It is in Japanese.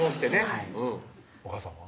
はいお母さんは？